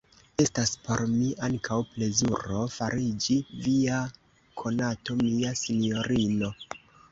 Estas por mi ankaŭ plezuro fariĝi via konato, mia sinjorino!